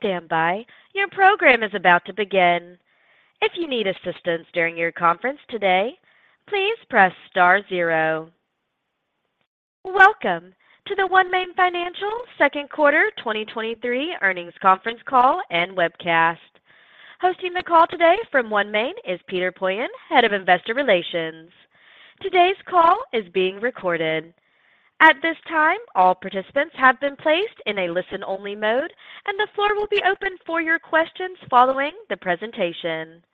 Please stand by. Your program is about to begin. If you need assistance during your conference today, please press star zero. Welcome to the OneMain Financial second quarter 2023 earnings conference call and webcast. Hosting the call today from OneMain is Peter Poillon, Head of Investor Relations. Today's call is being recorded. At this time, all participants have been placed in a listen-only mode, the floor will be open for your questions following the presentation.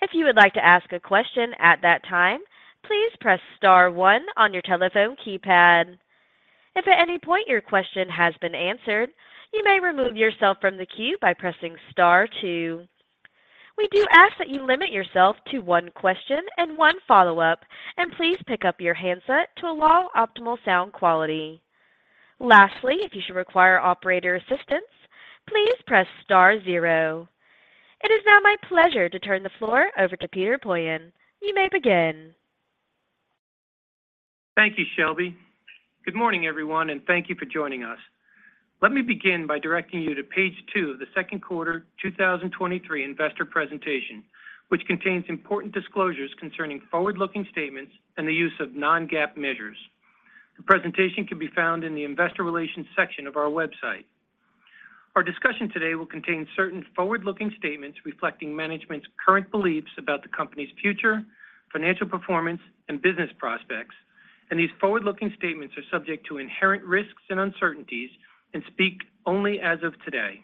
If you would like to ask a question at that time, please press star one on your telephone keypad. If at any point your question has been answered, you may remove yourself from the queue by pressing star two. We do ask that you limit yourself to one question and one follow-up, please pick up your handset to allow optimal sound quality. Lastly, if you should require operator assistance, please press star zero. It is now my pleasure to turn the floor over to Peter Poillon. You may begin. Thank you, Shelby. Good morning, everyone, and thank you for joining us. Let me begin by directing you to page two of the second quarter 2023 investor presentation, which contains important disclosures concerning forward-looking statements and the use of non-GAAP measures. The presentation can be found in the investor relations section of our website. Our discussion today will contain certain forward-looking statements reflecting management's current beliefs about the company's future, financial performance, and business prospects. These forward-looking statements are subject to inherent risks and uncertainties and speak only as of today.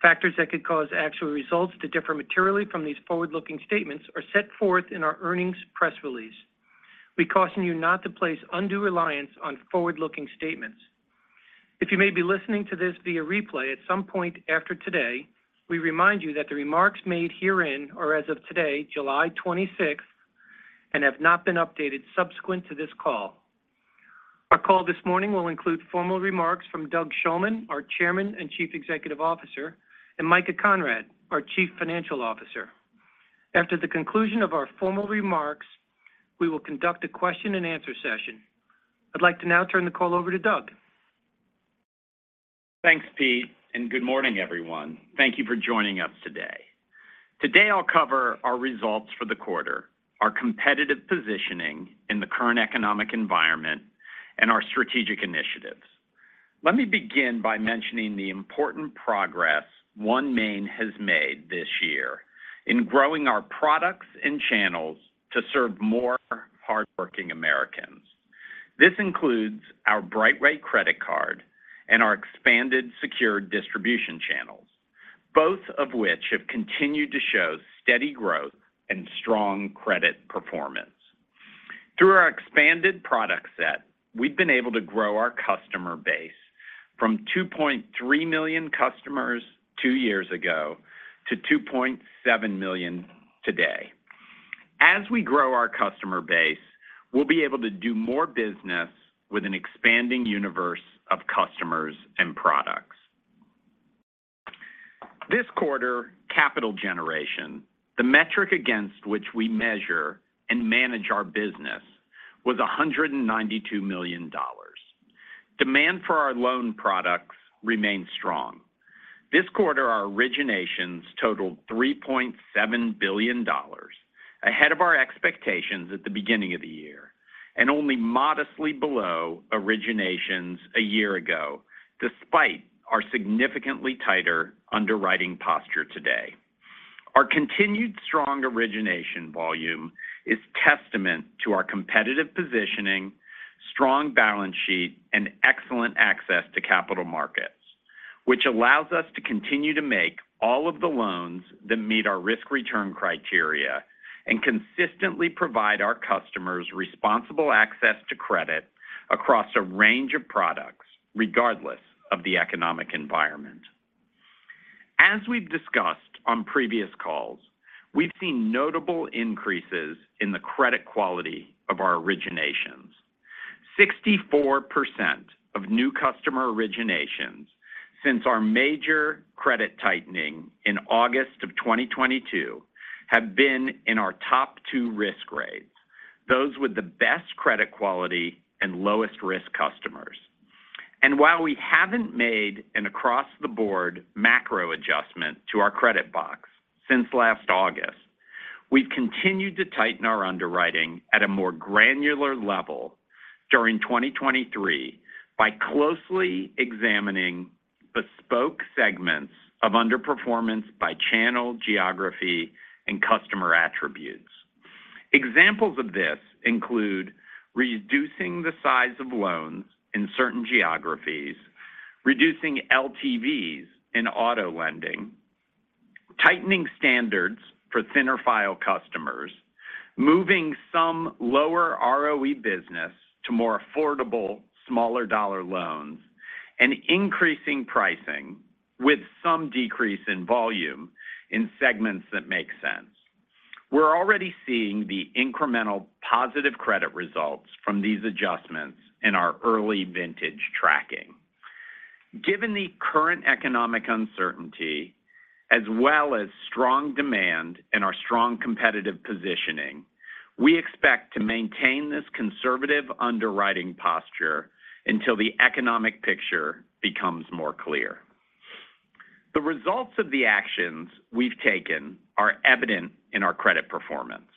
Factors that could cause actual results to differ materially from these forward-looking statements are set forth in our earnings press release. We caution you not to place undue reliance on forward-looking statements. If you may be listening to this via replay at some point after today, we remind you that the remarks made herein are as of today, July twenty-sixth, and have not been updated subsequent to this call. Our call this morning will include formal remarks from Doug Shulman, our Chairman and Chief Executive Officer, and Micah Conrad, our Chief Financial Officer. After the conclusion of our formal remarks, we will conduct a question-and-answer session. I'd like to now turn the call over to Doug. Thanks, Pete. Good morning, everyone. Thank you for joining us today. Today, I'll cover our results for the quarter, our competitive positioning in the current economic environment, and our strategic initiatives. Let me begin by mentioning the important progress OneMain has made this year in growing our products and channels to serve more hardworking Americans. This includes our BrightWay credit card and our expanded secure distribution channels, both of which have continued to show steady growth and strong credit performance. Through our expanded product set, we've been able to grow our customer base from 2.3 million customers two years ago to 2.7 million today. As we grow our customer base, we'll be able to do more business with an expanding universe of customers and products. This quarter, capital generation, the metric against which we measure and manage our business, was $192 million. Demand for our loan products remained strong. This quarter, our originations totaled $3.7 billion, ahead of our expectations at the beginning of the year, and only modestly below originations a year ago, despite our significantly tighter underwriting posture today. Our continued strong origination volume is testament to our competitive positioning, strong balance sheet, and excellent access to capital markets, which allows us to continue to make all of the loans that meet our risk-return criteria and consistently provide our customers responsible access to credit across a range of products, regardless of the economic environment. As we've discussed on previous calls, we've seen notable increases in the credit quality of our originations. 64% of new customer originations since our major credit tightening in August of 2022 have been in our top two risk grades, those with the best credit quality and lowest-risk customers. While we haven't made an across-the-board macro adjustment to our credit box since last August, we've continued to tighten our underwriting at a more granular level during 2023 by closely examining bespoke segments of underperformance by channel, geography, and customer attributes. Examples of this include reducing the size of loans in certain geographies, reducing LTVs in auto lending, tightening standards for thinner file customers, moving some lower ROE business to more affordable, smaller dollar loans, and increasing pricing with some decrease in volume in segments that make sense. We're already seeing the incremental positive credit results from these adjustments in our early vintage tracking. Strong demand and our strong competitive positioning, we expect to maintain this conservative underwriting posture until the economic picture becomes more clear. The results of the actions we've taken are evident in our credit performance.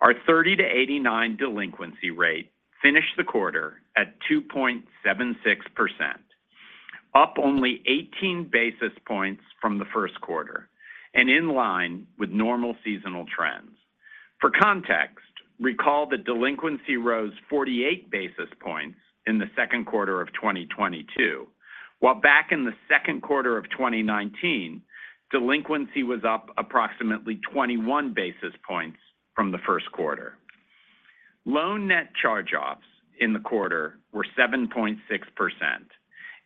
Our 30 to 89 delinquency rate finished the quarter at 2.76%, up only 18 basis points from the first quarter and in line with normal seasonal trends. For context, recall that delinquency rose 48 basis points in the second quarter of 2022, while back in the second quarter of 2019, delinquency was up approximately 21 basis points from the first quarter. Loan net charge-offs in the quarter were 7.6%,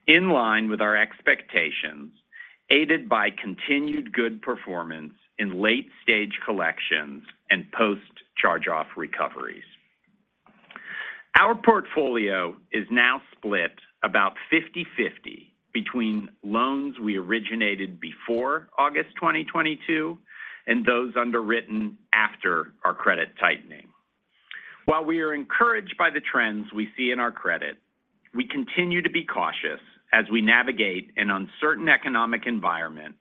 in line with our expectations, aided by continued good performance in late-stage collections and post-charge-off recoveries. Our portfolio is now split about 50/50 between loans we originated before August 2022, and those underwritten after our credit tightening. While we are encouraged by the trends we see in our credit, we continue to be cautious as we navigate an uncertain economic environment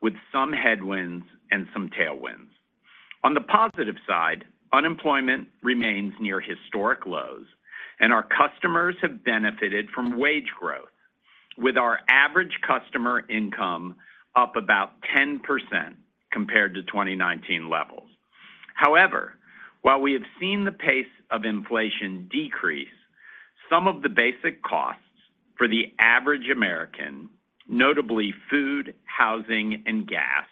with some headwinds and some tailwinds. On the positive side, unemployment remains near historic lows, and our customers have benefited from wage growth, with our average customer income up about 10% compared to 2019 levels. While we have seen the pace of inflation decrease, some of the basic costs for the average American, notably food, housing, and gas,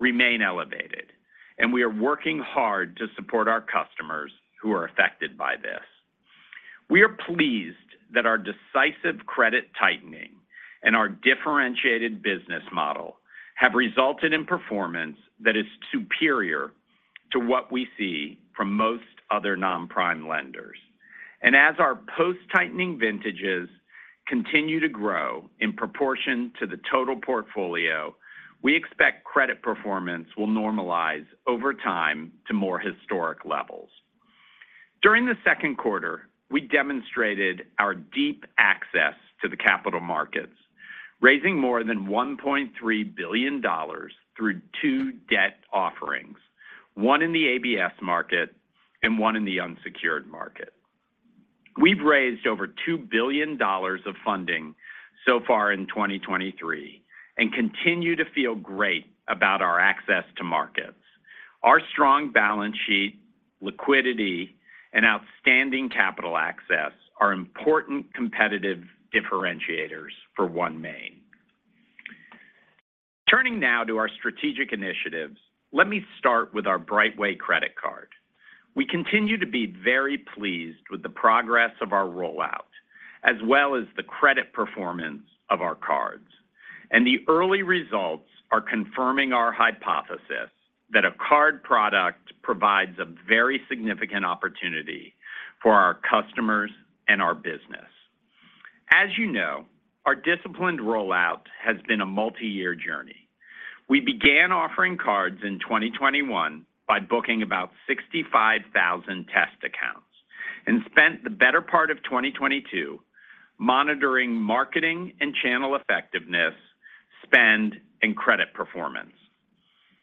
remain elevated, and we are working hard to support our customers who are affected by this. We are pleased that our decisive credit tightening and our differentiated business model have resulted in performance that is superior to what we see from most other non-prime lenders. As our post-tightening vintages continue to grow in proportion to the total portfolio, we expect credit performance will normalize over time to more historic levels. During the second quarter, we demonstrated our deep access to the capital markets, raising more than $1.3 billion through two debt offerings, one in the ABS market and one in the unsecured market. We've raised over $2 billion of funding so far in 2023 and continue to feel great about our access to markets. Our strong balance sheet, liquidity, and outstanding capital access are important competitive differentiators for OneMain. Turning now to our strategic initiatives, let me start with our BrightWay credit card. We continue to be very pleased with the progress of our rollout, as well as the credit performance of our cards. The early results are confirming our hypothesis that a card product provides a very significant opportunity for our customers and our business. As you know, our disciplined rollout has been a multi-year journey. We began offering cards in 2021 by booking about 65,000 test accounts and spent the better part of 2022 monitoring, marketing and channel effectiveness, spend, and credit performance.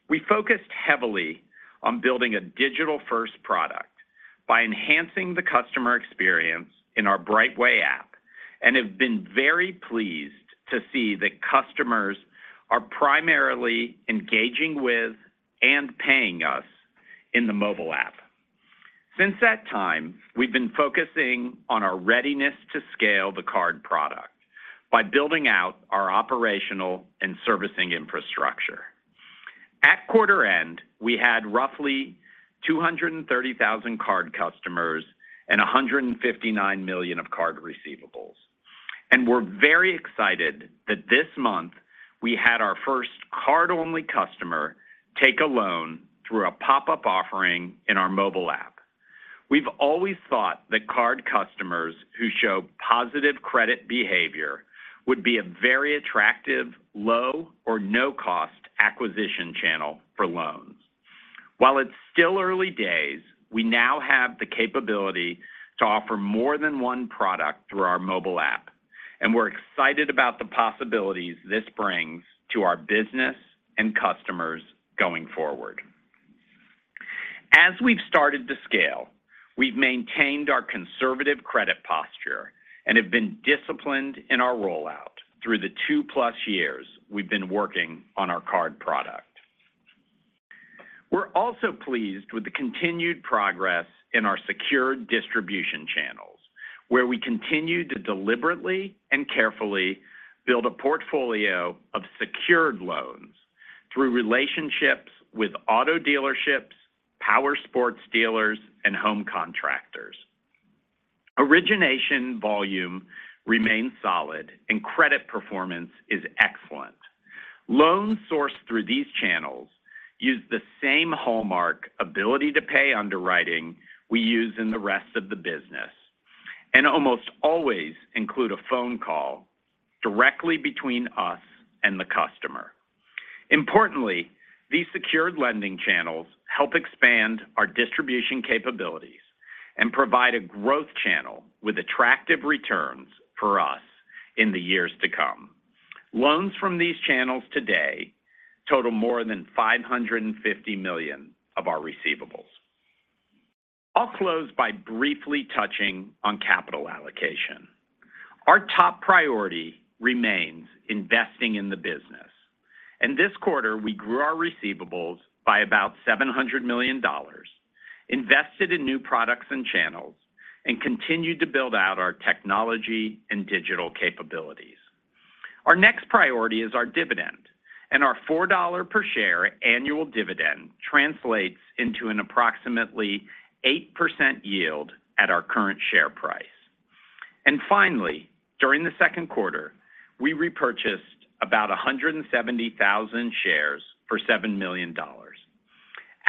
We focused heavily on building a digital-first product by enhancing the customer experience in our BrightWay app and have been very pleased to see that customers are primarily engaging with and paying us in the mobile app. Since that time, we've been focusing on our readiness to scale the card product by building out our operational and servicing infrastructure. At quarter end, we had roughly 230,000 card customers and $159 million of card receivables. We're very excited that this month we had our first card-only customer take a loan through a pop-up offering in our mobile app. We've always thought that card customers who show positive credit behavior would be a very attractive, low or no-cost acquisition channel for loans. While it's still early days, we now have the capability to offer more than one product through our mobile app, and we're excited about the possibilities this brings to our business and customers going forward. As we've started to scale, we've maintained our conservative credit posture and have been disciplined in our rollout through the 2+ years we've been working on our card product. We're also pleased with the continued progress in our secured distribution channels, where we continue to deliberately and carefully build a portfolio of secured loans through relationships with auto dealerships, power sports dealers, and home contractors. Origination volume remains solid, and credit performance is excellent. Loans sourced through these channels use the same hallmark ability-to-pay underwriting we use in the rest of the business, and almost always include a phone call directly between us and the customer. Importantly, these secured lending channels help expand our distribution capabilities and provide a growth channel with attractive returns for us in the years to come. Loans from these channels today total more than $550 million of our receivables. I'll close by briefly touching on capital allocation. Our top priority remains investing in the business. This quarter, we grew our receivables by about $700 million, invested in new products and channels, and continued to build out our technology and digital capabilities. Our next priority is our dividend. Our $4 per share annual dividend translates into an approximately 8% yield at our current share price. Finally, during the second quarter, we repurchased about 170,000 shares for $7 million.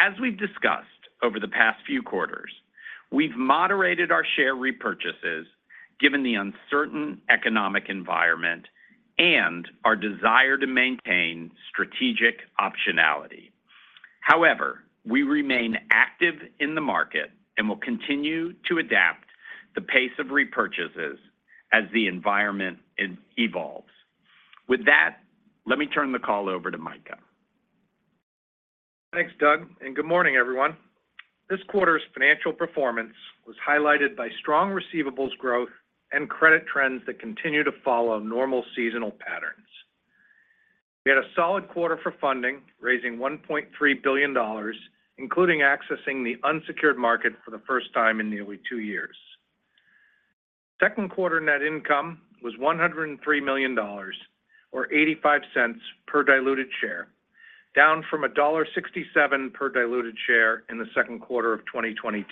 As we've discussed over the past few quarters, we've moderated our share repurchases given the uncertain economic environment and our desire to maintain strategic optionality. However, we remain active in the market and will continue to adapt the pace of repurchases as the environment evolves. With that, let me turn the call over to Micah. Thanks, Doug. Good morning, everyone. This quarter's financial performance was highlighted by strong receivables growth and credit trends that continue to follow normal seasonal patterns. We had a solid quarter for funding, raising $1.3 billion, including accessing the unsecured market for the first time in nearly two years. Second quarter net income was $103 million, or $0.85 per diluted share, down from $1.67 per diluted share in the second quarter of 2022.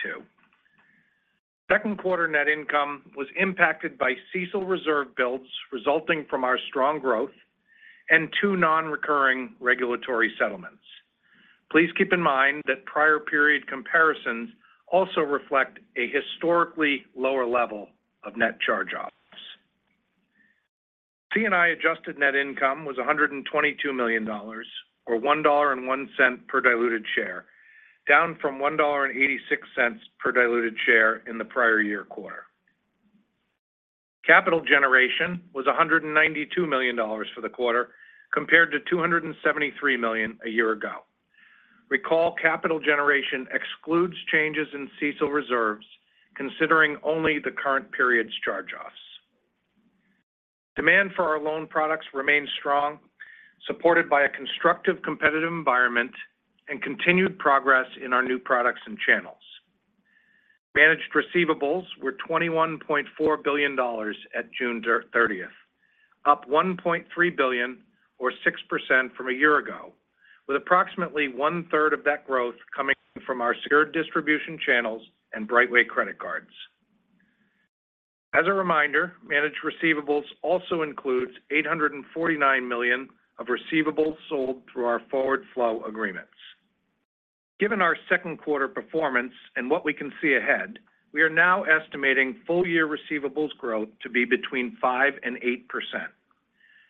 Second quarter net income was impacted by CECL reserve builds resulting from our strong growth and two non-recurring regulatory settlements. Please keep in mind that prior period comparisons also reflect a historically lower level of net charge-offs. C&I adjusted net income was $122 million, or $1.01 per diluted share, down from $1.86 per diluted share in the prior year quarter. Capital generation was $192 million for the quarter, compared to $273 million a year ago. Recall, capital generation excludes changes in CECL reserves, considering only the current period's charge-offs. Demand for our loan products remains strong, supported by a constructive competitive environment and continued progress in our new products and channels. Managed receivables were $21.4 billion at June 30th, up $1.3 billion or 6% from a year ago, with approximately one-third of that growth coming from our secured distribution channels and BrightWay credit cards. As a reminder, managed receivables also includes $849 million of receivables sold through our forward flow agreements. Given our second quarter performance and what we can see ahead, we are now estimating full-year receivables growth to be between 5% and 8%.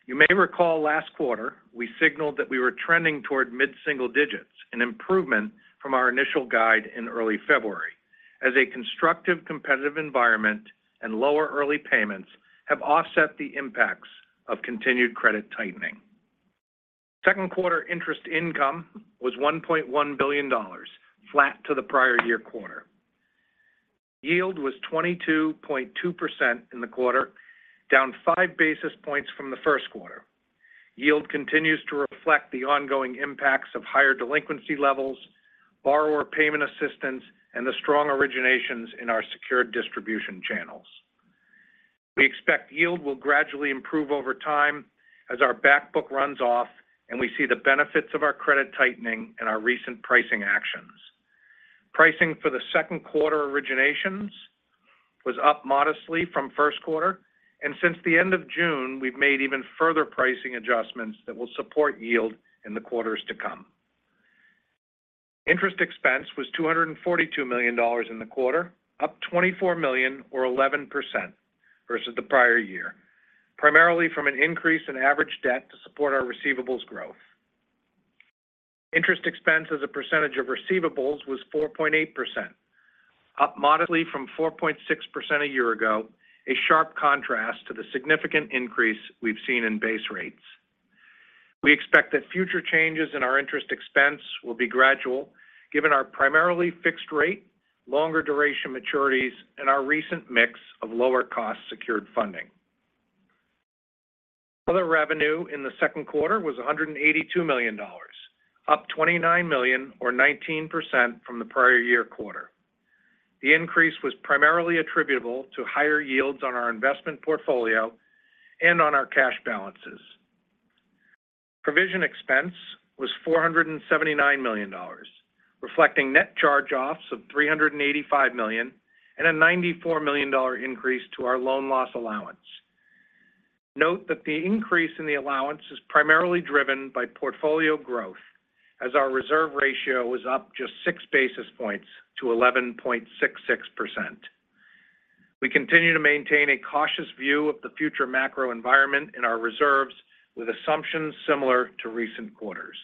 You may recall last quarter, we signaled that we were trending toward mid-single digits, an improvement from our initial guide in early February, as a constructive, competitive environment and lower early payments have offset the impacts of continued credit tightening. Second quarter interest income was $1.1 billion, flat to the prior year quarter. Yield was 22.2% in the quarter, down five basis points from the first quarter. Yield continues to reflect the ongoing impacts of higher delinquency levels, borrower payment assistance, and the strong originations in our secured distribution channels. We expect yield will gradually improve over time as our back book runs off and we see the benefits of our credit tightening and our recent pricing actions. Pricing for the second quarter originations was up modestly from first quarter. Since the end of June, we've made even further pricing adjustments that will support yield in the quarters to come. Interest expense was $242 million in the quarter, up $24 million or 11% versus the prior year, primarily from an increase in average debt to support our receivables growth. Interest expense as a percentage of receivables was 4.8%, up modestly from 4.6% a year ago, a sharp contrast to the significant increase we've seen in base rates. We expect that future changes in our interest expense will be gradual, given our primarily fixed rate, longer duration maturities, and our recent mix of lower-cost secured funding. Other revenue in the second quarter was $182 million, up $29 million or 19% from the prior year quarter. The increase was primarily attributable to higher yields on our investment portfolio and on our cash balances. Provision expense was $479 million, reflecting net charge-offs of $385 million and a $94 million increase to our loan loss allowance. Note that the increase in the allowance is primarily driven by portfolio growth, as our reserve ratio was up just 6 basis points to 11.66%. We continue to maintain a cautious view of the future macro environment in our reserves, with assumptions similar to recent quarters.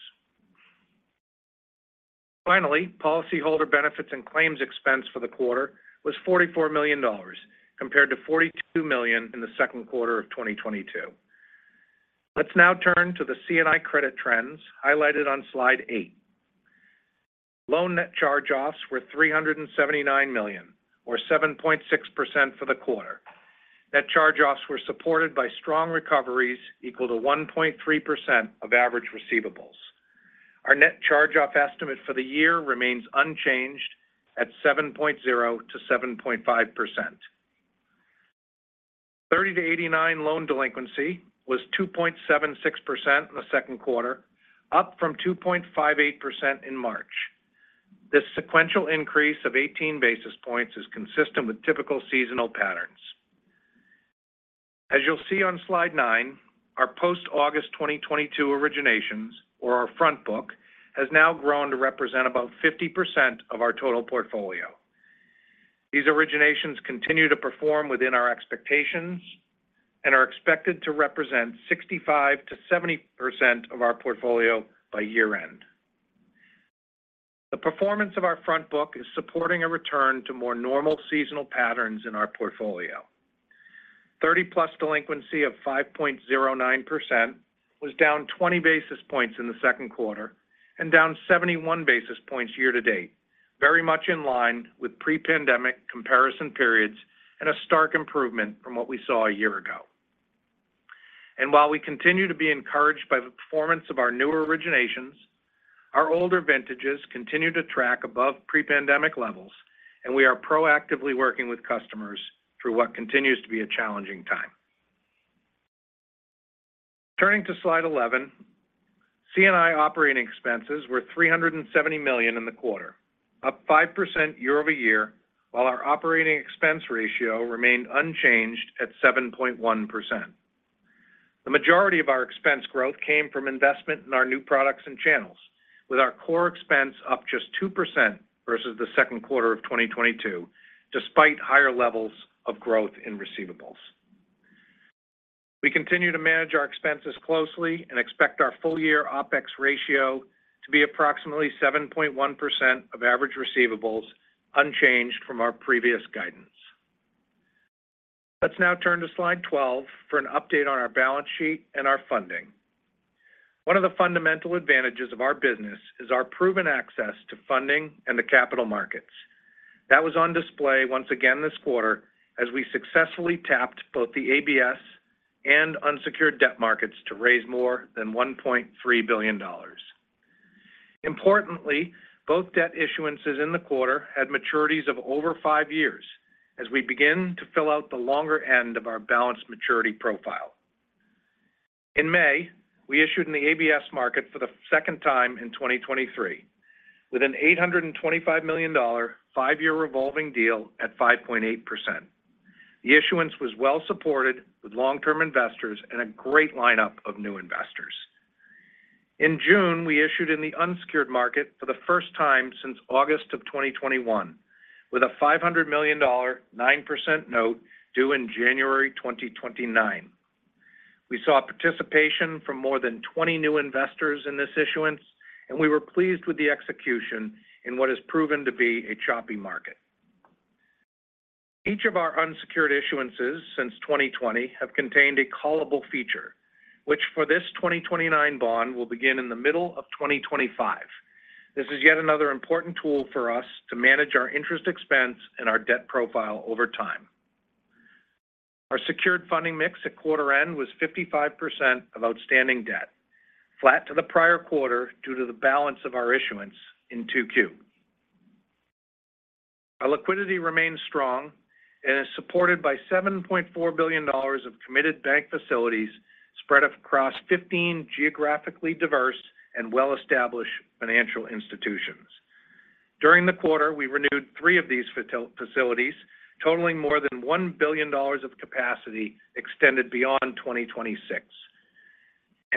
Policyholder benefits and claims expense for the quarter was $44 million, compared to $42 million in the second quarter of 2022. Let's now turn to the C&I credit trends highlighted on slide eight. Loan net charge-offs were $379 million, or 7.6% for the quarter. Net charge-offs were supported by strong recoveries equal to 1.3% of average receivables. Our net charge-off estimate for the year remains unchanged at 7.0%-7.5%. 30-89 loan delinquency was 2.76% in the second quarter, up from 2.58% in March. This sequential increase of 18 basis points is consistent with typical seasonal patterns. As you'll see on slide nine, our post-August 2022 originations, or our front book, has now grown to represent about 50% of our total portfolio. These originations continue to perform within our expectations and are expected to represent 65%-70% of our portfolio by year-end. The performance of our front book is supporting a return to more normal seasonal patterns in our portfolio. 30-plus delinquency of 5.09% was down 20 basis points in the second quarter and down 71 basis points year-to-date, very much in line with pre-pandemic comparison periods and a stark improvement from what we saw a year ago. While we continue to be encouraged by the performance of our newer originations, our older vintages continue to track above pre-pandemic levels, and we are proactively working with customers through what continues to be a challenging time. Turning to Slide 11, C&I operating expenses were $370 million in the quarter, up 5% year-over-year, while our operating expense ratio remained unchanged at 7.1%. The majority of our expense growth came from investment in our new products and channels, with our core expense up just 2% versus the second quarter of 2022, despite higher levels of growth in receivables. We continue to manage our expenses closely. Expect our full-year OpEx ratio to be approximately 7.1% of average receivables, unchanged from our previous guidance. Let's now turn to Slide 12 for an update on our balance sheet and our funding. One of the fundamental advantages of our business is our proven access to funding and the capital markets. That was on display once again this quarter as we successfully tapped both the ABS and unsecured debt markets to raise more than $1.3 billion. Importantly, both debt issuances in the quarter had maturities of over five years as we begin to fill out the longer end of our balanced maturity profile. In May, we issued in the ABS market for the second time in 2023, with an $825 million five-year revolving deal at 5.8%. The issuance was well-supported with long-term investors and a great lineup of new investors. In June, we issued in the unsecured market for the first time since August of 2021, with a $500 million 9% note due in January 2029. We saw participation from more than 20 new investors in this issuance, and we were pleased with the execution in what has proven to be a choppy market. Each of our unsecured issuances since 2020 have contained a callable feature, which for this 2029 bond will begin in the middle of 2025. This is yet another important tool for us to manage our interest expense and our debt profile over time. Our secured funding mix at quarter end was 55% of outstanding debt, flat to the prior quarter due to the balance of our issuance in 2Q. Our liquidity remains strong and is supported by $7.4 billion of committed bank facilities spread across 15 geographically diverse and well-established financial institutions. During the quarter, we renewed three of these facilities, totaling more than $1 billion of capacity extended beyond 2026.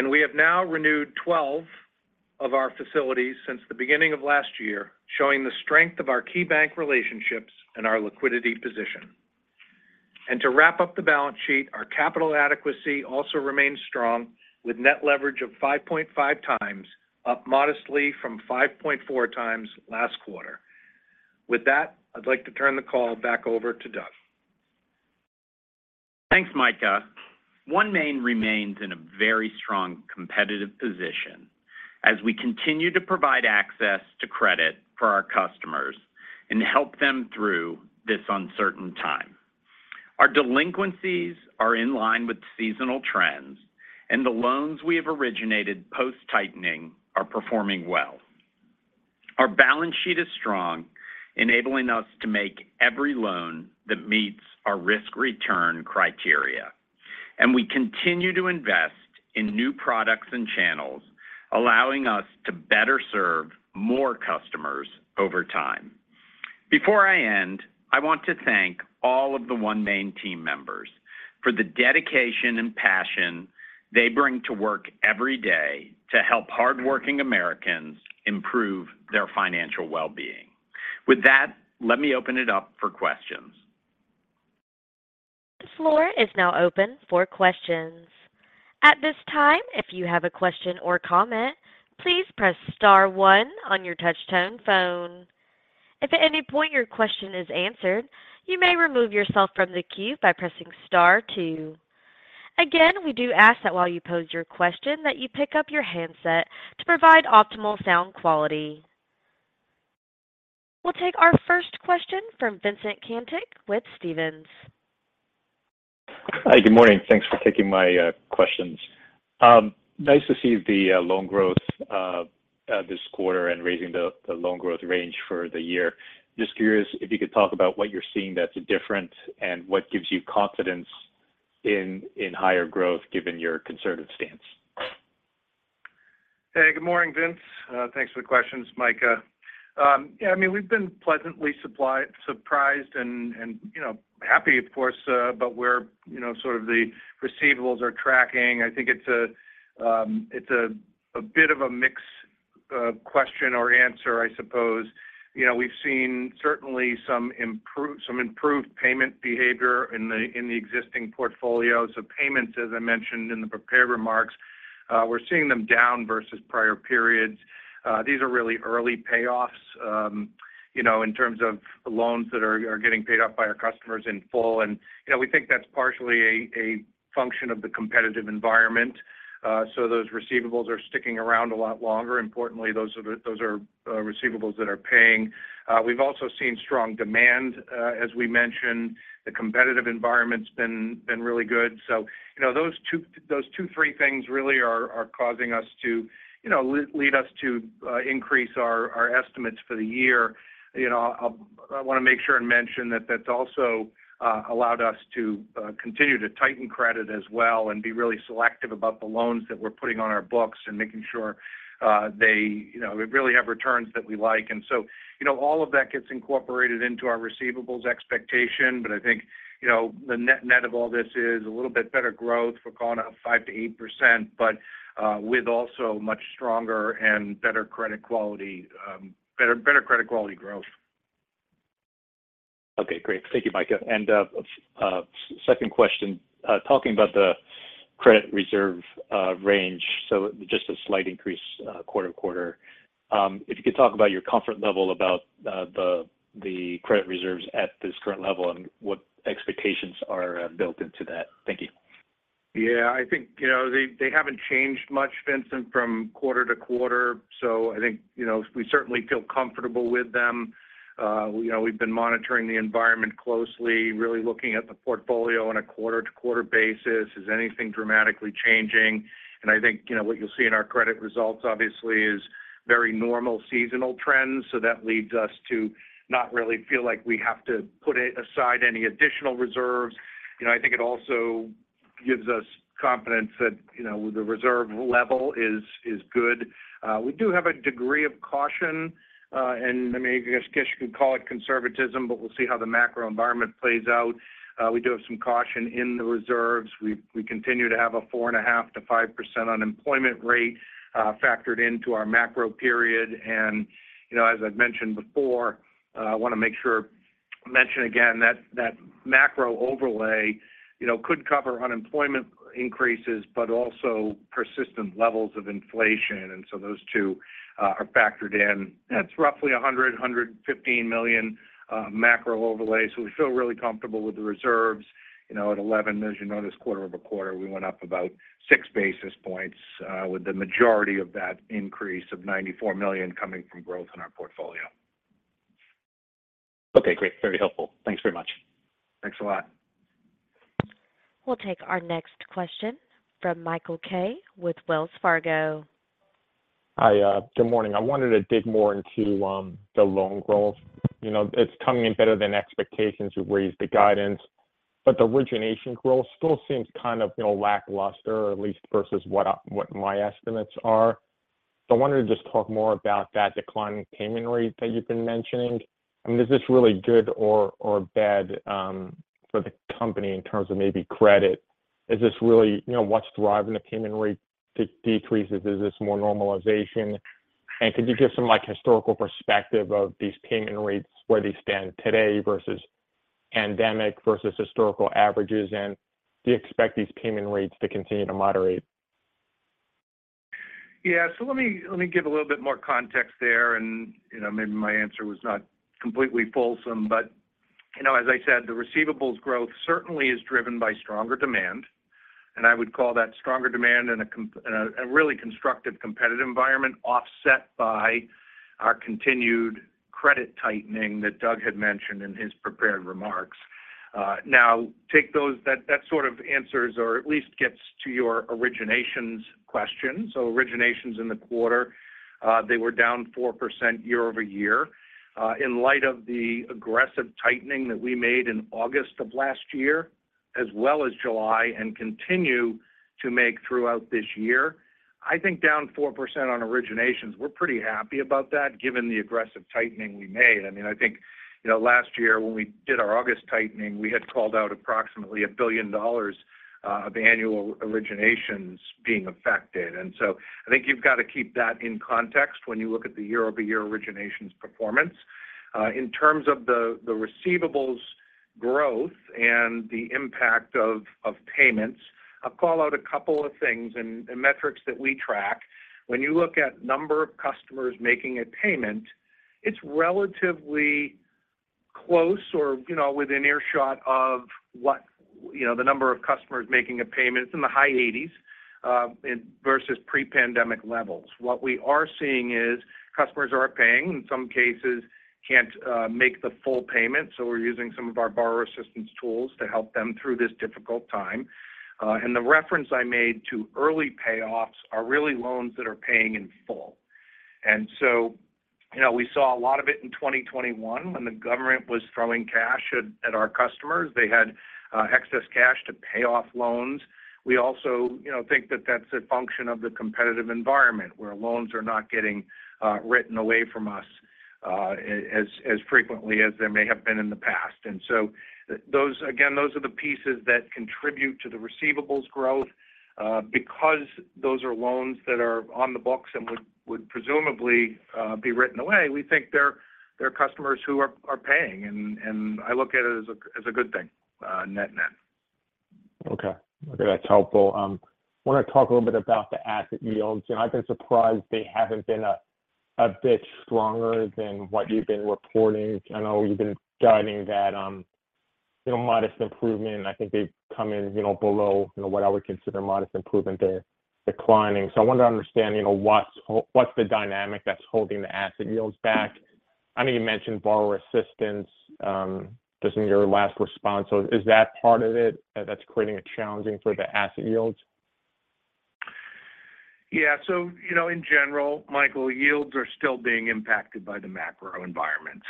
We have now renewed 12 of our facilities since the beginning of last year, showing the strength of our key bank relationships and our liquidity position. To wrap up the balance sheet, our capital adequacy also remains strong, with net leverage of 5.5x, up modestly from 5.4x last quarter. With that, I'd like to turn the call back over to Doug. Thanks, Micah. OneMain remains in a very strong competitive position as we continue to provide access to credit for our customers and help them through this uncertain time. Our delinquencies are in line with seasonal trends, and the loans we have originated post-tightening are performing well. Our balance sheet is strong, enabling us to make every loan that meets our risk-return criteria. We continue to invest in new products and channels, allowing us to better serve more customers over time. Before I end, I want to thank all of the OneMain team members for the dedication and passion they bring to work every day to help hardworking Americans improve their financial well-being. With that, let me open it up for questions. The floor is now open for questions. At this time, if you have a question or comment, please press star one on your touchtone phone. If at any point your question is answered, you may remove yourself from the queue by pressing star two. Again, we do ask that while you pose your question, that you pick up your handset to provide optimal sound quality. We'll take our first question from Vincent Caintic with Stephens. Hi, good morning. Thanks for taking my questions. Nice to see the loan growth this quarter and raising the loan growth range for the year. Just curious if you could talk about what you're seeing that's different and what gives you confidence in higher growth, given your conservative stance? Hey, good morning, Vince. Thanks for the questions, Micah. I mean, we've been pleasantly surprised and, you know, happy, of course, but we're, you know, sort of the receivables are tracking. I think it's a, it's a bit of a mix, question or answer, I suppose. You know, we've seen certainly some improved payment behavior in the existing portfolios. Payments, as I mentioned in the prepared remarks, we're seeing them down versus prior periods. These are really early payoffs, you know, in terms of loans that are getting paid off by our customers in full. You know, we think that's partially a function of the competitive environment, so those receivables are sticking around a lot longer, importantly, those are receivables that are paying. We've also seen strong demand, as we mentioned, the competitive environment's been really good. You know, those two, three things really are causing us to, you know, lead us to increase our estimates for the year. You know, I wanna make sure and mention that that's also allowed us to continue to tighten credit as well and be really selective about the loans that we're putting on our books and making sure they, you know, we really have returns that we like. You know, all of that gets incorporated into our receivables expectation. I think, you know, the net of all this is a little bit better growth. We're going up 5% to 8%, but with also much stronger and better credit quality, better credit quality growth. Okay, great. Thank you, Micah. Second question, talking about the credit reserve range, so just a slight increase quarter-over-quarter. If you could talk about your comfort level about the credit reserves at this current level and what expectations are built into that? Thank you. I think, you know, they haven't changed much, Vincent, from quarter-to-quarter, so I think, you know, we certainly feel comfortable with them. You know, we've been monitoring the environment closely, really looking at the portfolio on a quarter-to-quarter basis. Is anything dramatically changing? I think, you know, what you'll see in our credit results, obviously, is very normal seasonal trends. That leads us to not really feel like we have to put aside any additional reserves. You know, I think it also gives us confidence that, you know, the reserve level is good. We do have a degree of caution, and I mean, I guess you could call it conservatism, but we'll see how the macro environment plays out. We do have some caution in the reserves. We continue to have a 4.5%-5% unemployment rate, factored into our macro period. You know, as I've mentioned before, I want to make sure I mention again that that macro overlay, you know, could cover unemployment increases, but also persistent levels of inflation, and so those two are factored in. That's roughly a $100 million-$115 million macro overlay, so we feel really comfortable with the reserves. You know, at $11 million quarter-over-quarter, we went up about 6 basis points with the majority of that increase of $94 million coming from growth in our portfolio. Okay, great. Very helpful. Thanks very much. Thanks a lot. We'll take our next question from Michael Kaye with Wells Fargo. Hi, good morning. I wanted to dig more into the loan growth. You know, it's coming in better than expectations. You've raised the guidance, the origination growth still seems kind of, you know, lackluster, or at least versus what my estimates are. I wanted to just talk more about that declining payment rate that you've been mentioning. I mean, is this really good or bad for the company in terms of maybe credit? You know, what's driving the payment rate de-decrease? Is this more normalization? Could you give some, like, historical perspective of these payment rates, where they stand today versus pandemic versus historical averages, and do you expect these payment rates to continue to moderate? Let me give a little bit more context there, and, you know, maybe my answer was not completely fulsome, but you know, as I said, the receivables growth certainly is driven by stronger demand, and I would call that stronger demand and a really constructive competitive environment offset by our continued credit tightening that Doug had mentioned in his prepared remarks. Take those that sort of answers or at least gets to your originations question. Originations in the quarter, they were down 4% year-over-year. In light of the aggressive tightening that we made in August of last year as well as July and continue to make throughout this year. I think down 4% on originations, we're pretty happy about that, given the aggressive tightening we made. I mean, I think, you know, last year when we did our August tightening, we had called out approximately $1 billion of annual originations being affected. I think you've got to keep that in context when you look at the year-over-year originations performance. In terms of the receivables growth and the impact of payments, I'll call out a couple of things and metrics that we track. When you look at number of customers making a payment, it's relatively close or, you know, within earshot of what, you know, the number of customers making a payment. It's in the high 80s versus pre-pandemic levels. What we are seeing is customers are paying, in some cases, can't make the full payment, we're using some of our borrower assistance tools to help them through this difficult time. The reference I made to early payoffs are really loans that are paying in full. You know, we saw a lot of it in 2021 when the government was throwing cash at our customers. They had excess cash to pay off loans. We also, you know, think that that's a function of the competitive environment, where loans are not getting written away from us as frequently as they may have been in the past. Again, those are the pieces that contribute to the receivables growth, because those are loans that are on the books and would presumably be written away. We think they're customers who are paying, and I look at it as a good thing, net. Okay. Okay, that's helpful. I want to talk a little bit about the asset yields. You know, I've been surprised they haven't been a bit stronger than what you've been reporting. I know you've been guiding that, you know, modest improvement, and I think they've come in, you know, below, you know, what I would consider modest improvement. They're declining. I wanted to understand, you know, what's the dynamic that's holding the asset yields back? I know you mentioned borrower assistance, just in your last response. Is that part of it, that's creating a challenging for the asset yields? Yeah. You know, in general, Michael, yields are still being impacted by the macro environment.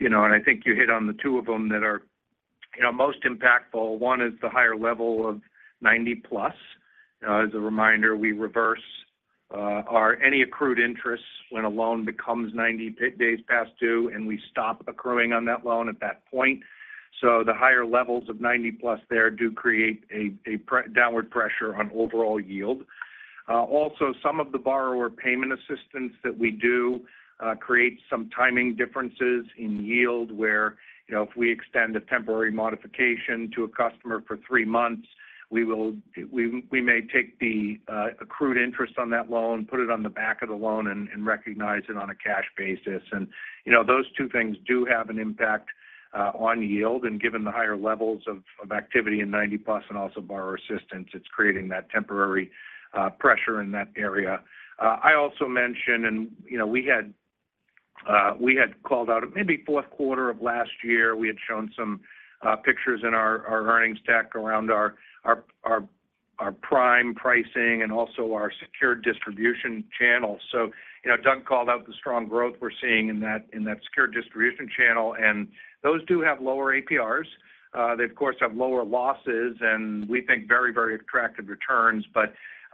You know, and I think you hit on the two of them that are, you know, most impactful. One is the higher level of 90+. As a reminder, we reverse any accrued interest when a loan becomes 90 days past due, and we stop accruing on that loan at that point. The higher levels of 90+ there do create a downward pressure on overall yield. Also, some of the borrower payment assistance that we do creates some timing differences in yield, where, you know, if we extend a temporary modification to a customer for three months, we may take the accrued interest on that loan, put it on the back of the loan, and recognize it on a cash basis. You know, those two things do have an impact on yield. Given the higher levels of activity in 90+ and also borrower assistance, it's creating that temporary pressure in that area. I also mentioned, and, you know, we had, we had called out at maybe fourth quarter of last year, we had shown some pictures in our earnings deck around our prime pricing and also our secured distribution channel. You know, Doug called out the strong growth we're seeing in that secured distribution channel, and those do have lower APRs. They, of course, have lower losses, and we think very attractive returns.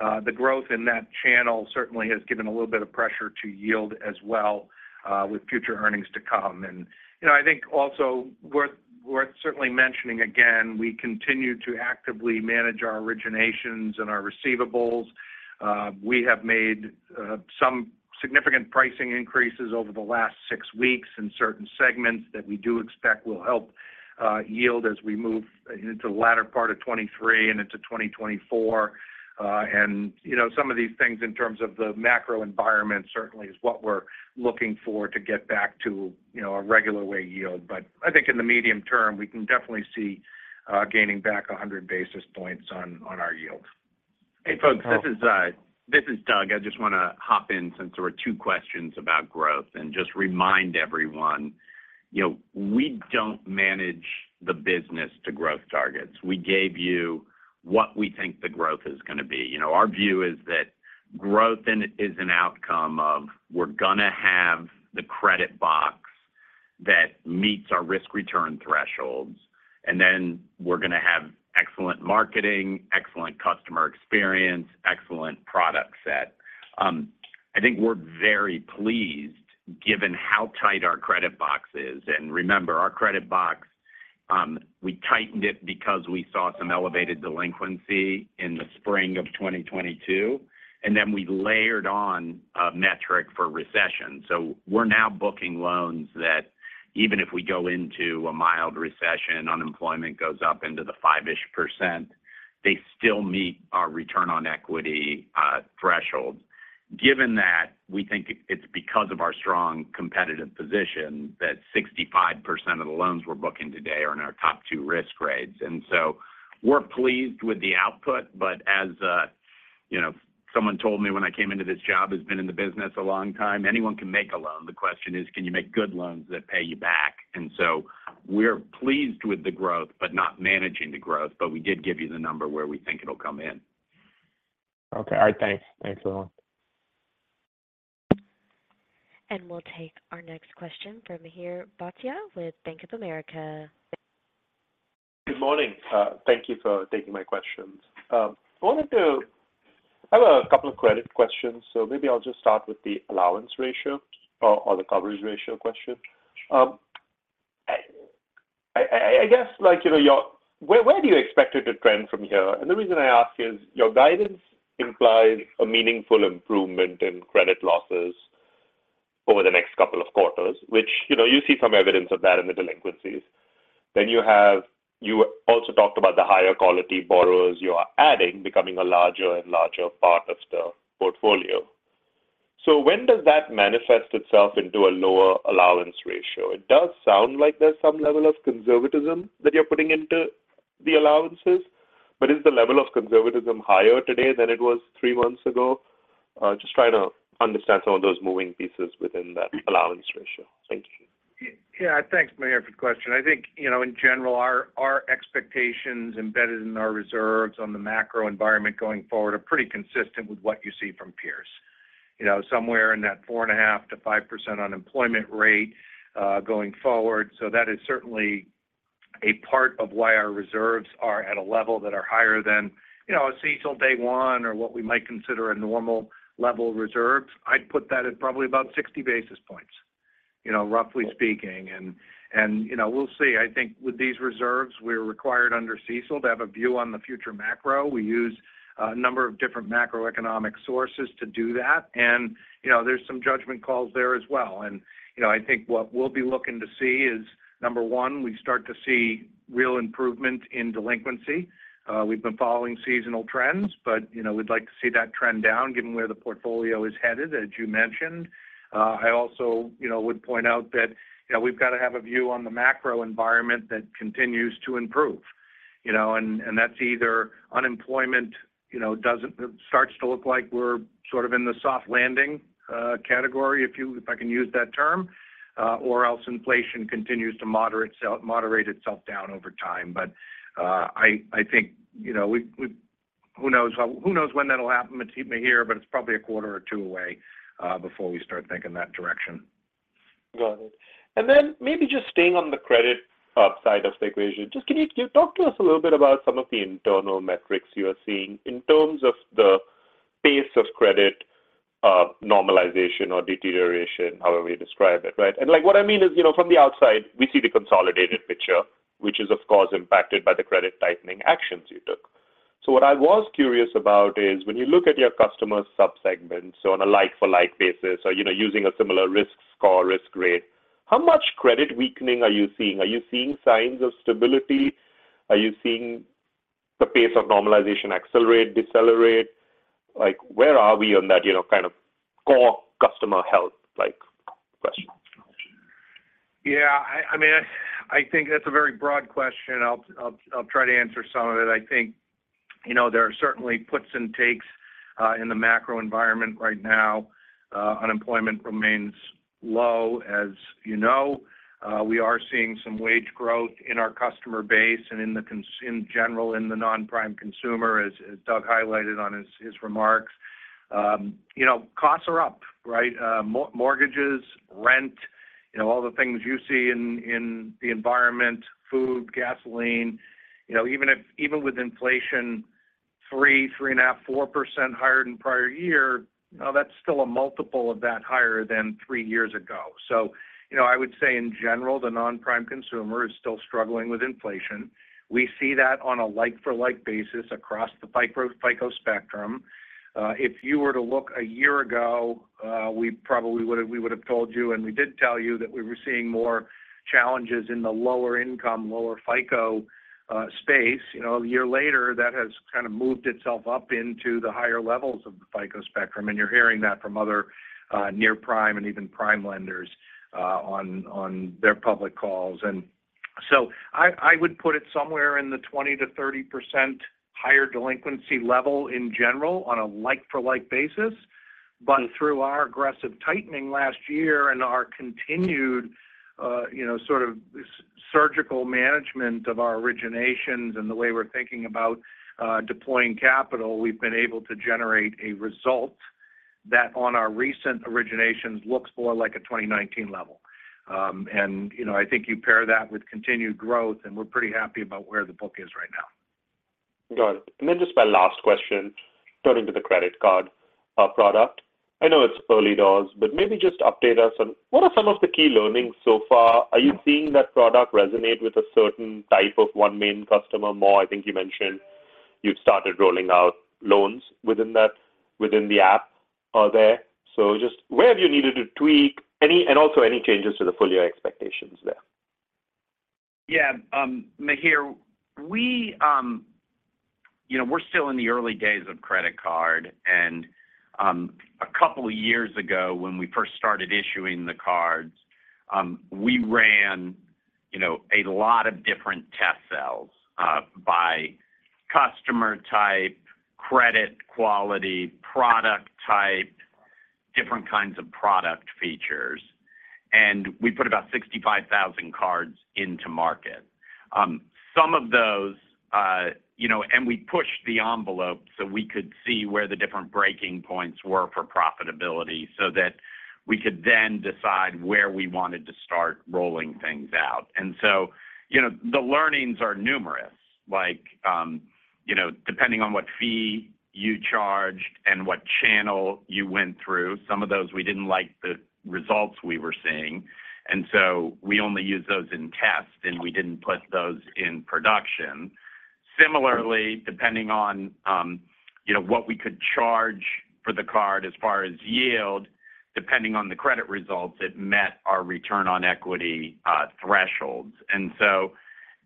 The growth in that channel certainly has given a little bit of pressure to yield as well, with future earnings to come. You know, I think also worth certainly mentioning again, we continue to actively manage our originations and our receivables. We have made some significant pricing increases over the last six weeks in certain segments that we do expect will help yield as we move into the latter part of 2023 and into 2024, you know, some of these things in terms of the macro environment certainly is what we're looking for to get back to, you know, a regular way yield. I think in the medium term, we can definitely see, gaining back 100 basis points on our yields. Hey, folks, this is Doug. I just want to hop in since there were two questions about growth and just remind everyone, you know, we don't manage the business to growth targets. We gave you what we think the growth is going to be. You know, our view is that growth is an outcome of we're going to have the credit box that meets our risk return thresholds, and then we're going to have excellent marketing, excellent customer experience, excellent product set. I think we're very pleased, given how tight our credit box is. Remember, our credit box, we tightened it because we saw some elevated delinquency in the spring of 2022, and then we layered on a metric for recession. We're now booking loans that even if we go into a mild recession, unemployment goes up into the 5-ish%, they still meet our return on equity thresholds. Given that, we think it's because of our strong competitive position that 65% of the loans we're booking today are in our top two risk grades. We're pleased with the output, but as you know, someone told me when I came into this job, who's been in the business a long time, anyone can make a loan. The question is: Can you make good loans that pay you back? We're pleased with the growth, but not managing the growth, but we did give you the number where we think it'll come in. Okay. All right. Thanks. Thanks a lot. We'll take our next question from Mihir Bhatia with Bank of America. Good morning, thank you for taking my questions. I have a couple of credit questions, so maybe I'll just start with the allowance ratio or the coverage ratio question. I guess, like, you know, where do you expect it to trend from here? The reason I ask is, your guidance implies a meaningful improvement in credit losses over the next couple of quarters, which, you know, you see some evidence of that in the delinquencies. You also talked about the higher quality borrowers you are adding, becoming a larger and larger part of the portfolio. When does that manifest itself into a lower allowance ratio? It does sound like there's some level of conservatism that you're putting into the allowances, but is the level of conservatism higher today than it was three months ago? Just trying to understand some of those moving pieces within that allowance ratio. Thank you. Yeah, thanks, Mihir, for the question. I think, you know, in general, our expectations embedded in our reserves on the macro environment going forward are pretty consistent with what you see from peers. You know, somewhere in that 4.5%-5% unemployment rate going forward. That is certainly a part of why our reserves are at a level that are higher than, you know, a CECL day one or what we might consider a normal level of reserves. I'd put that at probably about 60 basis points, you know, roughly speaking. You know, we'll see. I think with these reserves, we're required under CECL to have a view on the future macro. We use a number of different macroeconomic sources to do that. You know, there's some judgment calls there as well. You know, I think what we'll be looking to see is, number one, we start to see real improvement in delinquency. We've been following seasonal trends, but, you know, we'd like to see that trend down, given where the portfolio is headed, as you mentioned. I also, you know, would point out that, you know, we've got to have a view on the macro environment that continues to improve. That's either unemployment, you know, starts to look like we're sort of in the soft landing category, if I can use that term, or else inflation continues to moderate itself down over time. I think, you know, who knows? Who knows when that'll happen, Mihir, but it's probably a quarter or two away before we start thinking that direction. Got it. Then maybe just staying on the credit side of the equation, just can you talk to us a little bit about some of the internal metrics you are seeing in terms of the pace of credit normalization or deterioration, however you describe it, right? Like, what I mean is, you know, from the outside, we see the consolidated picture, which is of course impacted by the credit tightening actions you took. What I was curious about is when you look at your customer subsegments, so on a like for like basis or, you know, using a similar risk score, risk grade, how much credit weakening are you seeing? Are you seeing signs of stability? Are you seeing the pace of normalization accelerate, decelerate? Like, where are we on that, you know, kind of core customer health, like, question? Yeah, I mean, I think that's a very broad question. I'll try to answer some of it. I think, you know, there are certainly puts and takes in the macro environment right now. Unemployment remains low, as you know. We are seeing some wage growth in our customer base and in general, in the non-prime consumer, as Doug highlighted on his remarks. You know, costs are up, right? Mortgages, rent, you know, all the things you see in the environment, food, gasoline, you know, even with inflation,3%, 3.5%, 4% higher than prior year, that's still a multiple of that higher than three years ago. You know, I would say in general, the non-prime consumer is still struggling with inflation. We see that on a like for like basis across the FICO spectrum. If you were to look a year ago, we probably would've told you, and we did tell you that we were seeing more challenges in the lower income, lower FICO space. You know, a year later, that has kind of moved itself up into the higher levels of the FICO spectrum, and you're hearing that from other near prime and even prime lenders on their public calls. I would put it somewhere in the 20%-30% higher delinquency level in general on a like for like basis. Through our aggressive tightening last year and our continued, you know, sort of surgical management of our originations and the way we're thinking about deploying capital, we've been able to generate a result that on our recent originations, looks more like a 2019 level. You know, I think you pair that with continued growth, and we're pretty happy about where the book is right now. Got it. Just my last question, turning to the credit card product. I know it's early doors, but maybe just update us on what are some of the key learnings so far? Are you seeing that product resonate with a certain type of OneMain customer more? I think you mentioned you've started rolling out loans within that, within the app there. Just where have you needed to tweak? And also any changes to the full year expectations there? Mihir, we, you know, we're still in the early days of credit card, and, a couple of years ago, when we first started issuing the cards, we ran, you know, a lot of different test sells, by customer type, credit quality, product type, different kinds of product features. We put about 65,000 cards into market. Some of those, you know, we pushed the envelope so we could see where the different breaking points were for profitability, so that we could then decide where we wanted to start rolling things out. You know, the learnings are numerous. Like, you know, depending on what fee you charged and what channel you went through, some of those we didn't like the results we were seeing, and so we only used those in test, and we didn't put those in production. Similarly, depending on, you know, what we could charge for the card as far as yield, depending on the credit results, it met our return on equity thresholds.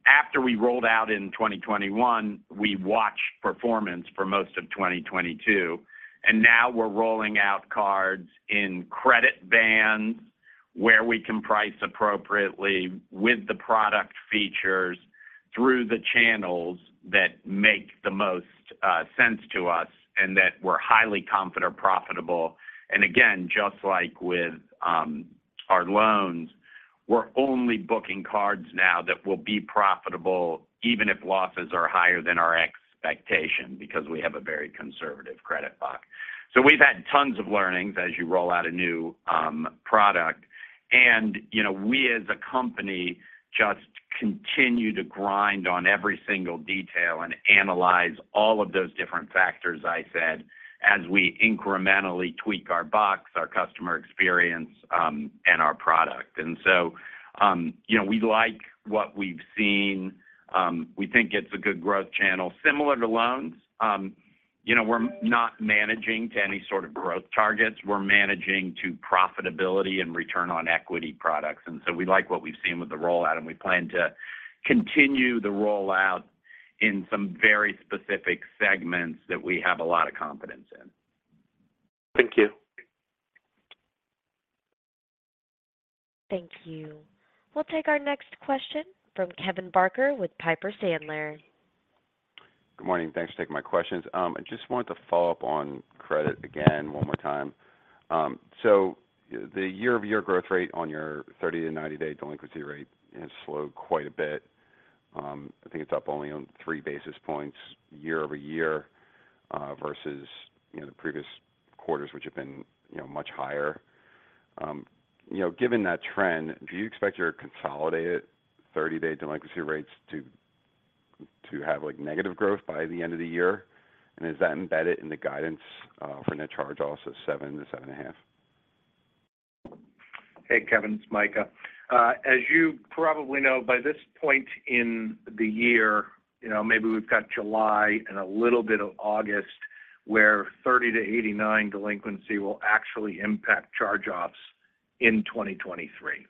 After we rolled out in 2021, we watched performance for most of 2022, and now we're rolling out cards in credit bands, where we can price appropriately with the product features through the channels that make the most sense to us and that we're highly confident are profitable. Again, just like with our loans, we're only booking cards now that will be profitable even if losses are higher than our expectation, because we have a very conservative credit buck. We've had tons of learnings as you roll out a new product. You know, we, as a company, just continue to grind on every single detail and analyze all of those different factors I said, as we incrementally tweak our box, our customer experience, and our product. You know, we like what we've seen. We think it's a good growth channel. Similar to loans, you know, we're not managing to any sort of growth targets. We're managing to profitability and return on equity products, and so we like what we've seen with the rollout, and we plan to continue the rollout in some very specific segments that we have a lot of confidence in. Thank you. Thank you. We'll take our next question from Kevin Barker with Piper Sandler. Good morning. Thanks for taking my questions. I just wanted to follow up on credit again one more time. The year-over-year growth rate on your 30- to 90-day delinquency rate has slowed quite a bit. I think it's up only on three basis points year-over-year, versus, you know, the previous quarters, which have been, you know, much higher. You know, given that trend, do you expect your consolidated 30-day delinquency rates to have, like, negative growth by the end of the year? Is that embedded in the guidance for net charge-off, so 7%-7.5%? Hey, Kevin, it's Micah. As you probably know, by this point in the year, you know, maybe we've got July and a little bit of August, where 30-89 delinquency will actually impact charge-offs in 2023.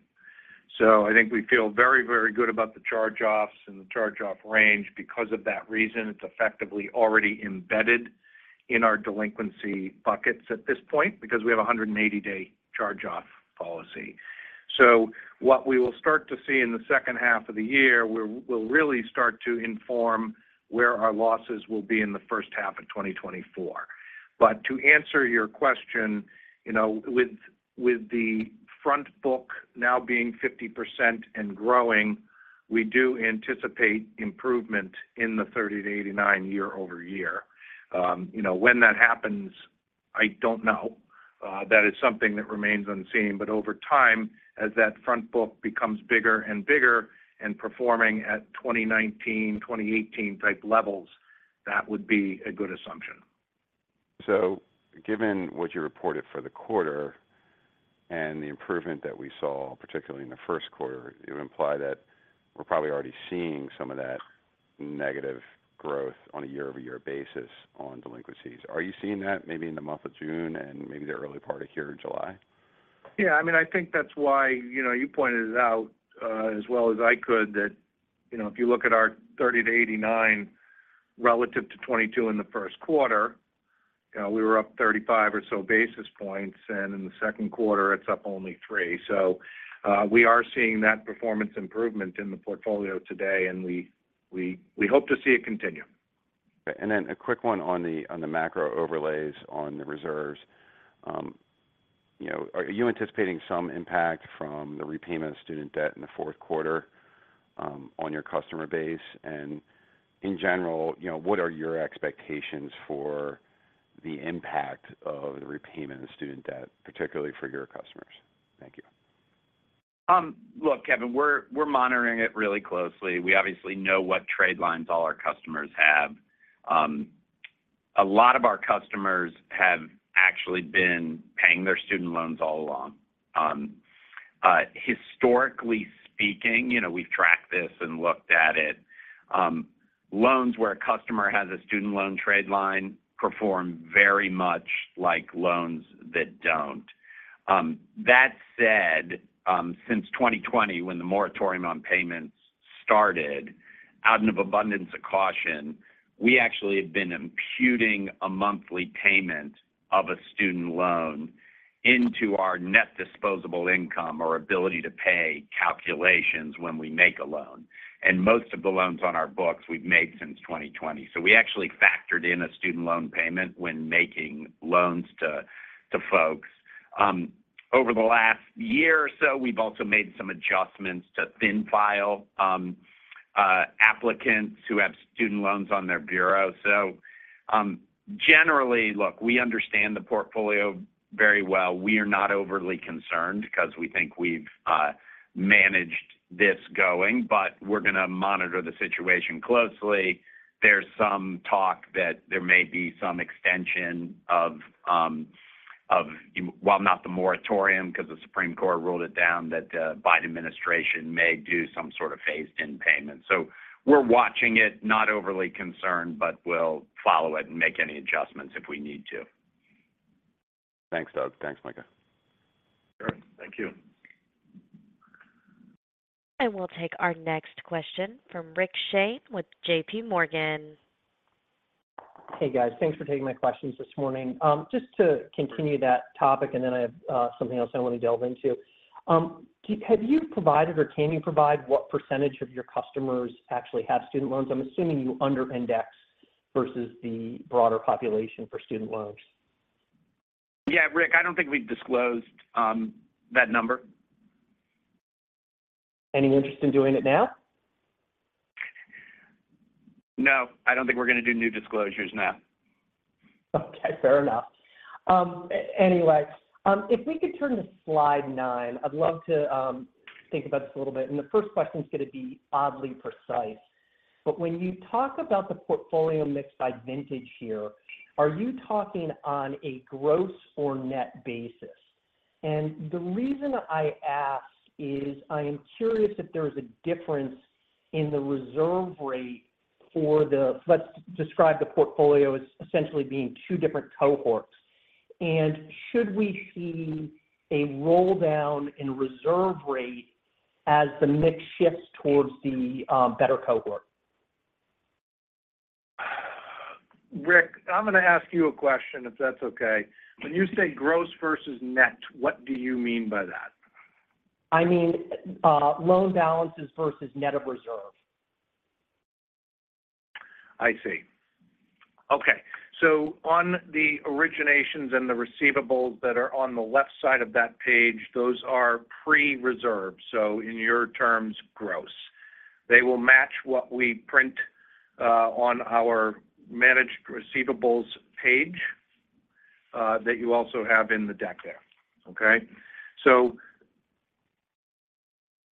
I think we feel very, very good about the charge-offs and the charge-off range. Because of that reason, it's effectively already embedded in our delinquency buckets at this point, because we have a 180-day charge-off policy. What we will start to see in the second half of the year, we will really start to inform where our losses will be in the first half of 2024. To answer your question, you know, with the front book now being 50% and growing, we do anticipate improvement in the 30-89 year-over-year. You know, when that happens, I don't know. That is something that remains unseen, but over time, as that front book becomes bigger and bigger and performing at 2019, 2018 type levels, that would be a good assumption. Given what you reported for the quarter and the improvement that we saw, particularly in the first quarter, you imply that we're probably already seeing some of that negative growth on a year-over-year basis on delinquencies. Are you seeing that maybe in the month of June and maybe the early part of here in July? Yeah, I mean, I think that's why, you know, you pointed it out, as well as I could, that, you know, if you look at our 30 to 89 relative to 22 in the first quarter, we were up 35 or so basis points, and in the second quarter it's up only three. We are seeing that performance improvement in the portfolio today, and we hope to see it continue. A quick one on the, on the macro overlays on the reserves. You know, are you anticipating some impact from the repayment of student debt in the fourth quarter, on your customer base? In general, you know, what are your expectations for the impact of the repayment of student debt, particularly for your customers? Thank you. Look, Kevin, we're monitoring it really closely, we obviously know what trade lines all our customers have. A lot of our customers have actually been paying their student loans all along. Historically speaking, you know, we've tracked this and looked at it. Loans where a customer has a student loan trade line perform very much like loans that don't. That said, since 2020, when the moratorium on payments started, out of abundance of caution, we actually have been imputing a monthly payment of a student loan into our net disposable income or ability-to-pay calculations when we make a loan. Most of the loans on our books we've made since 2020. We actually factored in a student loan payment when making loans to folks. Over the last year or so, we've also made some adjustments to thin file applicants who have student loans on their bureau. Generally, look, we understand the portfolio very well. We are not overly concerned because we think we've managed this going, but we're gonna monitor the situation closely. There's some talk that there may be some extension of, well, not the moratorium, because the Supreme Court ruled it down, that the Biden administration may do some sort of phased-in payment. We're watching it, not overly concerned, but we'll follow it and make any adjustments if we need to. Thanks, Doug. Thanks, Micah. Sure. Thank you. We'll take our next question from Rick Shane with JPMorgan. Hey, guys. Thanks for taking my questions this morning. Just to continue that topic, and then I have something else I want to delve into. Have you provided or can you provide what percentage of your customers actually have student loans? I'm assuming your under index versus the broader population for student loans. Yeah, Rick, I don't think we've disclosed that number. Any interest in doing it now? No, I don't think we're going to do new disclosures now. Okay, fair enough. anyway, if we could turn to slide nine, I'd love to think about this a little bit. The first question is going to be oddly precise. When you talk about the portfolio mix by vintage here, are you talking on a gross or net basis? The reason I ask is I am curious if there is a difference in the reserve rate let's describe the portfolio as essentially being two different cohorts and should we see a roll down in reserve rate as the mix shifts towards the better cohort? Rick, I'm going to ask you a question, if that's okay. When you say gross versus net, what do you mean by that? I mean, loan balances versus net of reserve. I see. Okay. On the originations and the receivables that are on the left side of that page, those are pre-reserve, so in your terms, gross. They will match what we print on our managed receivables page that you also have in the deck there. Okay?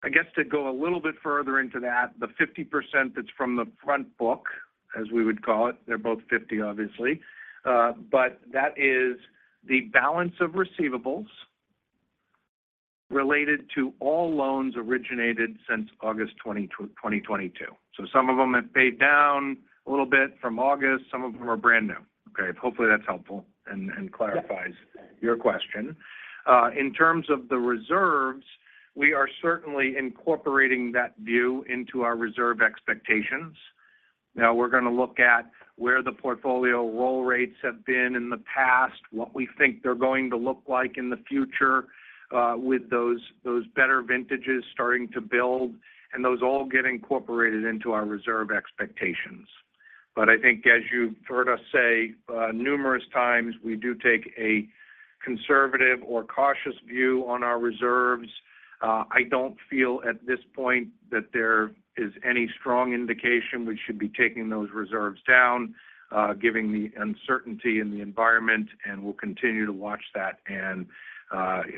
I guess to go a little bit further into that, the 50% that's from the front book, as we would call it, they're both 50, obviously, but that is the balance of receivables related to all loans originated since August 2022. Some of them have paid down a little bit from August. Some of them are brand new. Okay, hopefully that's helpful and clarifies. Yeah. -your question. In terms of the reserves, we are certainly incorporating that view into our reserve expectations. We're gonna look at where the portfolio roll rates have been in the past, what we think they're going to look like in the future, with those better vintages starting to build, and those all get incorporated into our reserve expectations. I think as you've heard us say, numerous times, we do take a conservative or cautious view on our reserves. I don't feel at this point that there is any strong indication we should be taking those reserves down, giving the uncertainty in the environment, and we'll continue to watch that and,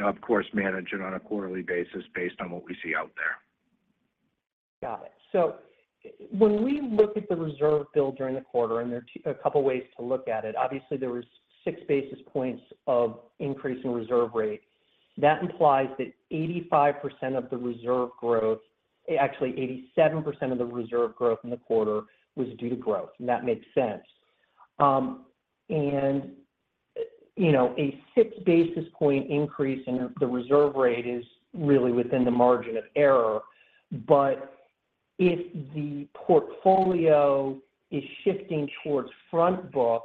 of course, manage it on a quarterly basis based on what we see out there. Got it. When we look at the reserve build during the quarter, and there are a couple of ways to look at it, obviously, there was six basis points of increase in reserve rate. That implies that 85% of the reserve growth, actually 87% of the reserve growth in the quarter was due to growth, and that makes sense. You know, a six basis point increase in the reserve rate is really within the margin of error. If the portfolio is shifting towards front book,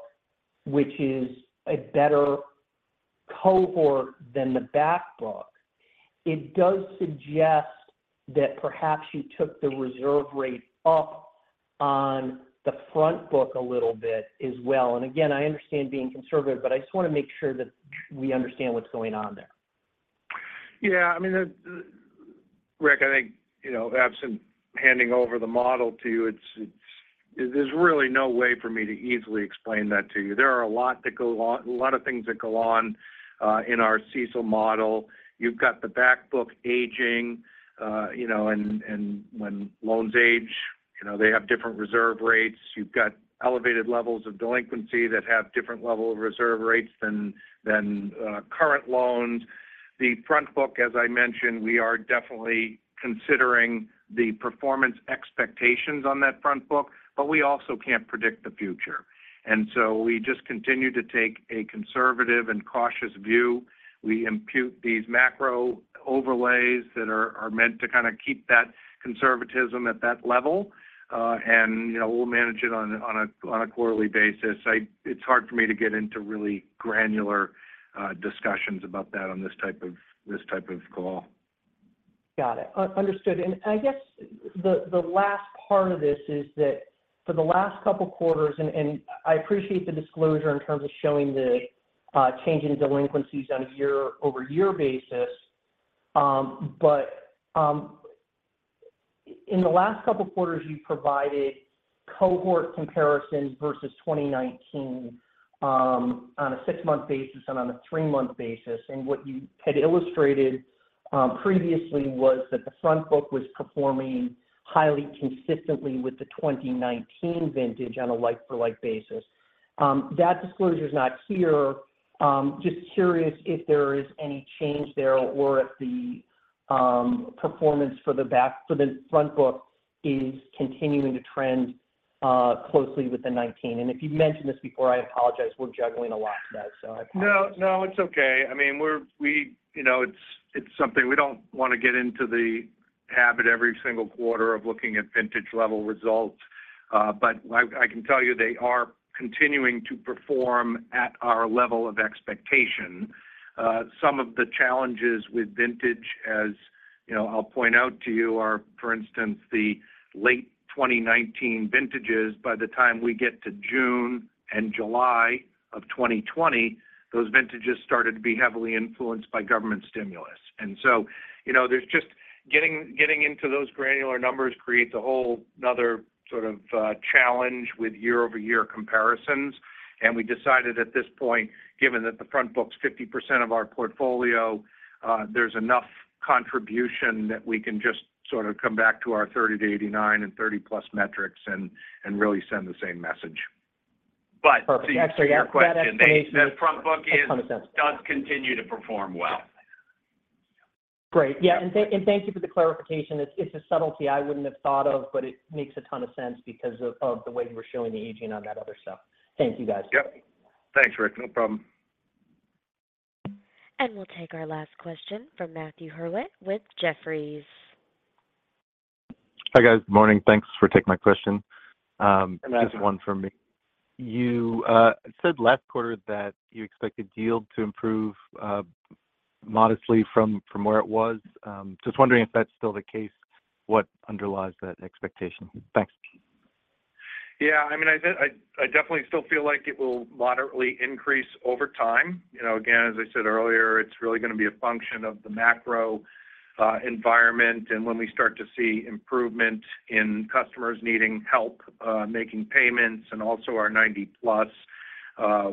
which is a better cohort than the back book, it does suggest that perhaps you took the reserve rate up on the front book a little bit as well. Again, I understand being conservative, but I just want to make sure that we understand what's going on there. Yeah, I mean, the, Rick, I think, you know, [absent] handing over the model to you, it's, there's really no way for me to easily explain that to you. There are a lot of things that go on in our CECL model. You've got the back book aging, you know, and when loans age, you know, they have different reserve rates. You've got elevated levels of delinquency that have different level of reserve rates than current loans. The front book, as I mentioned, we are definitely considering the performance expectations on that front book, we also can't predict the future. We just continue to take a conservative and cautious view. We impute these macro overlays that are meant to kind of keep that conservatism at that level. You know, we'll manage it on a quarterly basis. It's hard for me to get into really granular discussions about that on this type of call. Got it. Understood. I guess the last part of this is that for the last couple quarters, and I appreciate the disclosure in terms of showing the change in delinquencies on a year-over-year basis. In the last couple quarters, you provided cohort comparisons versus 2019 on a six-month basis and on a three-month basis. What you had illustrated previously was that the front book was performing highly consistently with the 2019 vintage on a like-for-like basis. That disclosure is not here. Just curious if there is any change there or if the performance for the front book is continuing to trend closely with the 2019. If you've mentioned this before, I apologize. We're juggling a lot today, so I apologize. No, no, it's okay. I mean, we, you know, it's something we don't want to get into the habit every single quarter of looking at vintage level results. I can tell you they are continuing to perform at our level of expectation. Some of the challenges with vintage, as you know, I'll point out to you, are, for instance, the late 2019 vintages. By the time we get to June and July of 2020, those vintages started to be heavily influenced by government stimulus. You know, there's just getting into those granular numbers creates a whole another sort of challenge with year-over-year comparisons. We decided at this point, given that the front book's 50% of our portfolio, there's enough contribution that we can just sort of come back to our 30-89 and 30+ metrics and really send the same message. Perfect. To answer your question, the front book is. That makes a ton of sense. Does continue to perform well. Great. Yeah, thank you for the clarification. It's a subtlety I wouldn't have thought of, but it makes a ton of sense because of the way you were showing the aging on that other stuff. Thank you, guys. Yep. Thanks, Rick. No problem. We'll take our last question from Matthew Hurwit with Jefferies. Hi, guys. Morning. Thanks for taking my question. Hi, Matthew. Just one for me. You said last quarter that you expected yield to improve modestly from where it was. Just wondering if that's still the case. What underlies that expectation? Thanks. Yeah, I mean, I definitely still feel like it will moderately increase over time. You know, again, as I said earlier, it's really going to be a function of the macro environment. When we start to see improvement in customers needing help making payments and also our 90+,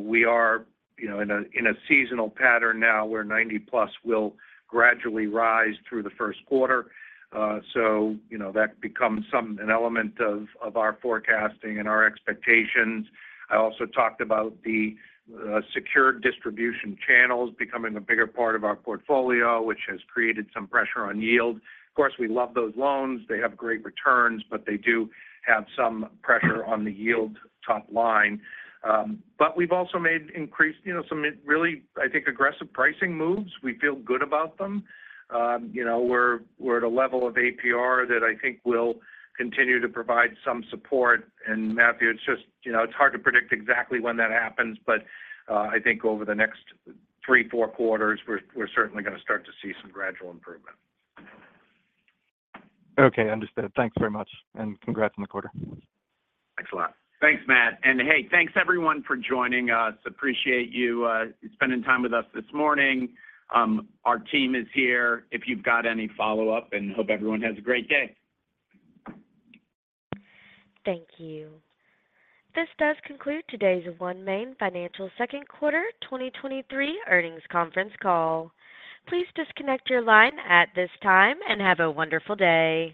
we are, you know, in a seasonal pattern now where 90+ will gradually rise through the first quarter. You know, that becomes an element of our forecasting and our expectations. I also talked about the secured distribution channels becoming a bigger part of our portfolio, which has created some pressure on yield. Of course, we love those loans. They have great returns, but they do have some pressure on the yield top line. We've also made increased, you know, some really, I think, aggressive pricing moves. We feel good about them. You know, we're at a level of APR that I think will continue to provide some support. Matthew, it's just, you know, it's hard to predict exactly when that happens, but I think over the next three, four quarters, we're certainly going to start to see some gradual improvement. Okay, understood. Thanks very much and congrats on the quarter. Thanks a lot. Thanks, Matt. Hey, thanks everyone for joining us. Appreciate you spending time with us this morning. Our team is here if you've got any follow-up, and hope everyone has a great day. Thank you. This does conclude today's OneMain Financial second quarter 2023 earnings conference call. Please disconnect your line at this time and have a wonderful day.